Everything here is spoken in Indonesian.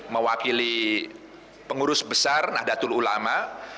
mewakili pengurus besar nahdlatul ulama